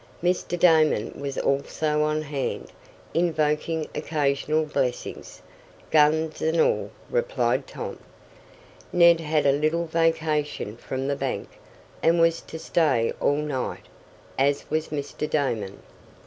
Mr. Damon was also on hand, invoking occasional blessings. "Guns and all," replied Tom. Ned had a little vacation from the bank, and was to stay all night, as was Mr. Damon.